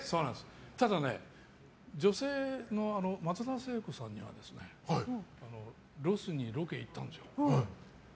ただ、女性の松田聖子さんにはロスにロケに行ったんですよ。